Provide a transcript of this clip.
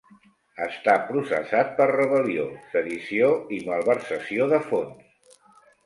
Està processat per rebel·lió, sedició i malversació de fons.